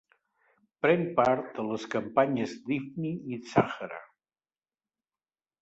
Pren part en les campanyes d'Ifni i Sàhara.